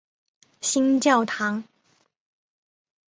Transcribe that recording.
新教堂。